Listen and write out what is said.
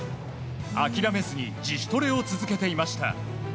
諦めずに自主トレを続けていました。